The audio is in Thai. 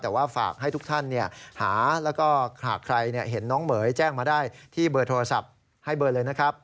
แต่ว่าฝากให้ทุกท่านหาแล้วก็หากใครเห็นน้องเหม๋ยแจ้งมาได้ที่เบอร์โทรศัพท์ให้เบอร์เลยนะครับ